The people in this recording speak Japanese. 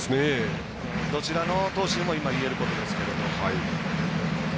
どちらの投手でも今、言えるところですけど。